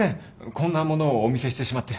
こんなものをお見せしてしまって。